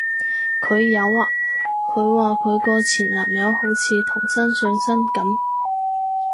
佢有啊，佢話佢個前男友好似唐僧上身噉